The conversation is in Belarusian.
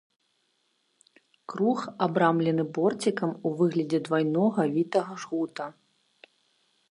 Круг абрамлены борцікам у выглядзе двайнога вітага жгута.